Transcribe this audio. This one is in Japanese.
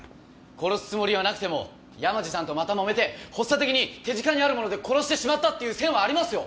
殺すつもりはなくても山路さんとまたもめて発作的に手近にある物で殺してしまったっていう線はありますよ！